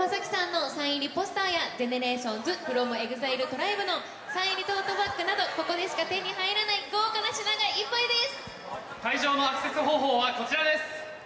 岡田将生さんのサイン入りポスターや、ＧＥＮＥＲＡＴＩＯＮＳｆｒｏｍＥＸＩＬＥＴＲＩＢＥのサイン入りトートバッグなど、ここでしか手に入らない豪華な品がいっぱいです。